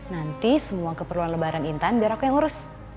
nanti semua keperluan lebaran intan biar aku yang ngurus